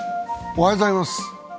おはようございます。